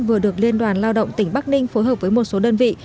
vừa được liên đoàn lao động tỉnh bắc ninh phối hợp với một số đơn vị